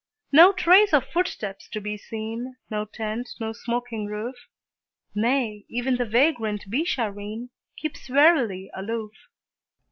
No trace of footsteps to be seen, No tent, no smoking roof; Nay, even the vagrant Beeshareen Keeps warily aloof.